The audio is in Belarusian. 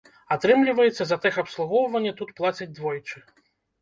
Атрымліваецца, за тэхабслугоўванне тут плацяць двойчы.